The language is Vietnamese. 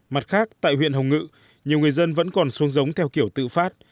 mặt khác tại huyện hồng ngự nhiều người dân vẫn còn xuống giống theo kiểu tự phát